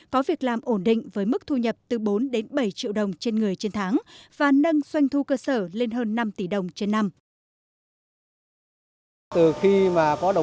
có việc làm ổn định với mức thu nhập từ bốn đến bảy triệu đồng trên người trên tháng và nâng doanh thu cơ sở lên hơn năm tỷ đồng trên năm